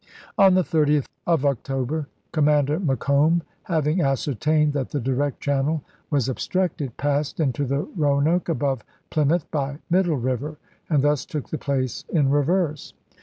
On the 30th of October, Commander Macomb, i8<a. having ascertained that the direct channel was ob structed, passed into the Roanoke above Plymouth by Middle River, and thus took the place in reverse.